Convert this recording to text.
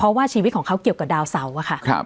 เพราะว่าชีวิตของเขาเกี่ยวกับดาวเสาอะค่ะ